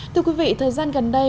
thưa quý vị thời gian gần đây